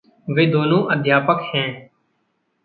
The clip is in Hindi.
वे दोनों अध्यापक हैं।